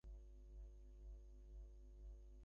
একান্ত প্রয়োজনবোধে কিছু কিছু ভাষার সংস্কার করা হইয়াছে।